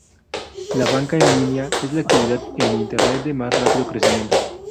La banca en línea es la actividad en Internet de más rápido crecimiento.